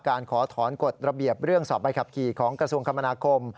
ขอถอนกฎระเบียบเรื่องสอบใบขับขี่ของกระทรวงคมนาคม